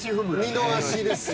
二の足ですよ。